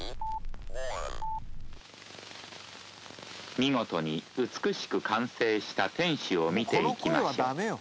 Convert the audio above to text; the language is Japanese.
見事に美しく完成した天守を見ていきましょう。